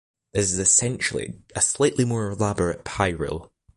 This is essentially a slightly more elaborate pie rule.